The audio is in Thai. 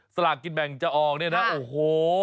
สลากกินแบ่งจะออกเนี่ยนะโอ้โห